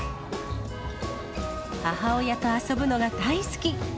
母親と遊ぶのが大好き。